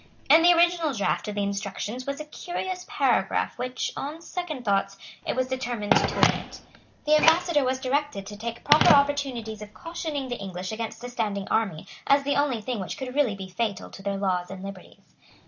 In the original draft of the instructions was a curious paragraph which, on second thoughts, it was determined to omit. The Ambassador was directed to take proper opportunities of cautioning the English against a standing army, as the only thing which could really be fatal to their laws and liberties.